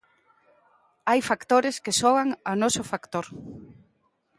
Hai factores que xogan ao noso factor.